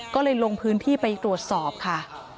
ก็เลยลงพื้นที่ไปตรวจสอบค่ะ